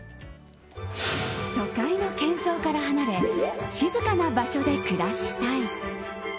都会の喧騒から離れ静かな場所で暮らしたい。